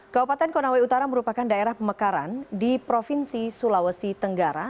kabupaten konawe utara merupakan daerah pemekaran di provinsi sulawesi tenggara